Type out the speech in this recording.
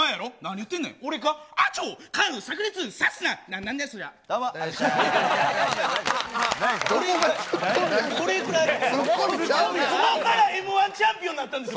ここからＭー１チャンピオンになったんですよ。